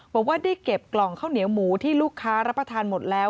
บอกว่าได้เก็บกล่องข้าวเหนียวหมูที่ลูกค้ารับประทานหมดแล้ว